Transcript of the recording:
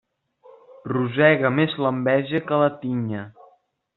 Rosega més l'enveja que la tinya.